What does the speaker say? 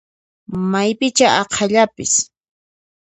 Maypichá aqhallapis!